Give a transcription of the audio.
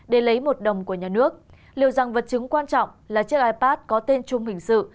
để lấy một đồng của nhà nước liều rằng vật chứng quan trọng là chiếc ipad có tên chung hình sự